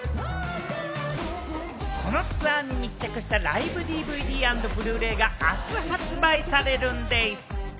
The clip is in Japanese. このツアーに密着したライブＤＶＤ＆Ｂｌｕ−ｒａｙがあす発売されるんでぃす。